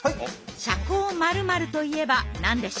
社交○○といえば何でしょう？